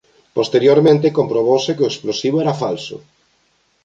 Posteriormente comprobouse que o explosivo era falso.